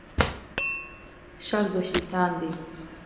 شر د شیطان دی